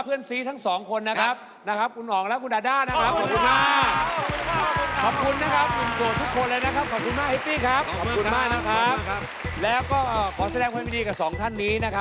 พี่สองคนไม่ชอบนั่งมอเซอร์ไซค์